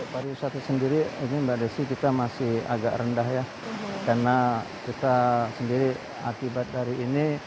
pariwisata sendiri ini mbak desi kita masih agak rendah ya karena kita sendiri akibat dari ini